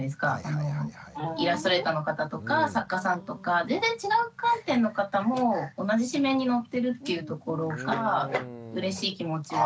イラストレーターの方とか作家さんとか全然違う観点の方も同じ誌面に載ってるっていうところがうれしい気持ちはあったかなと。